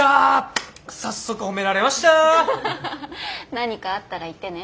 何かあったら言ってね